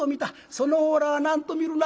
その方らは何と見るな？」。